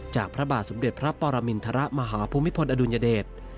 พระบาทสมเด็จพระปรมินทรมาฮภูมิพลอดุลยเดช